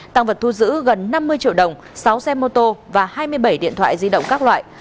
tăng vật thu giữ gần năm mươi triệu đồng sáu xe mô tô và hai mươi bảy điện thoại di động các loại